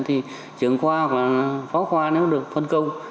trường khoa hoặc phó khoa nếu được phân công